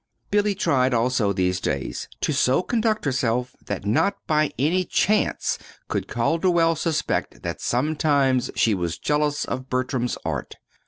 Billy tried, also, these days, to so conduct herself that not by any chance could Calderwell suspect that sometimes she was jealous of Bertram's art.